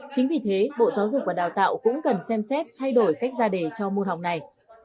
chính vì thế bộ giáo dục và đào tạo cũng cần xem xét thay đổi cách ra đề cho môn học này